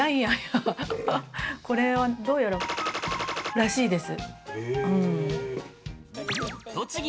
これはどうやららしいです。